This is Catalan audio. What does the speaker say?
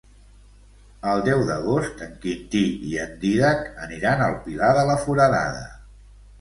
El deu d'agost en Quintí i en Dídac aniran al Pilar de la Foradada.